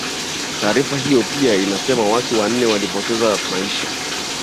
taarifa hiyo pia imesema watu wanne walipoteza maisha